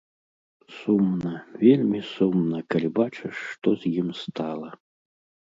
Сумна, вельмі сумна, калі бачыш, што з ім стала.